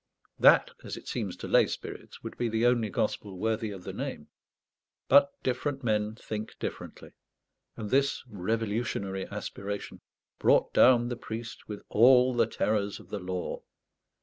That, as it seems to lay spirits, would be the only gospel worthy of the name. But different men think differently; and this revolutionary aspiration brought down the priest with all the terrors of the law.